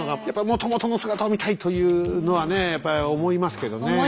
やっぱもともとの姿を見たいというのはねやっぱり思いますけどね。